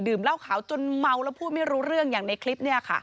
เหล้าขาวจนเมาแล้วพูดไม่รู้เรื่องอย่างในคลิป